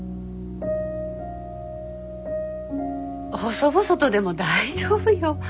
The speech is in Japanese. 細々とでも大丈夫よ。